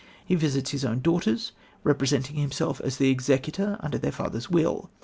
He visits his own daughters, representing himself as the executor under their father's will.